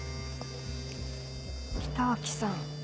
北脇さん